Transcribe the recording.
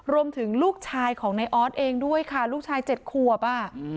รวมถึงลูกชายของนายอ๊อตเองด้วยค่ะลูกชายเจ็ดครัวป่ะ